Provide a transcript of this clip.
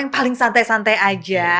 paling santai santai aja